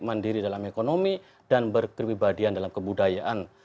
mendiri dalam ekonomi dan berkewibadian dalam kebudayaan